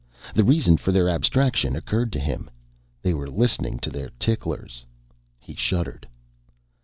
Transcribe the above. The reason for their abstraction occurred to him. They were listening to their ticklers! He shuddered.